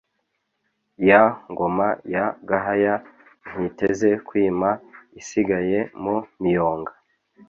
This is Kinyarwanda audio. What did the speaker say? Ya ngoma ya Gahaya Ntiteze kwima isigaye mu miyonga,